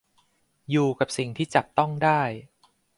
อยู่กับสิ่งที่จับต้องได้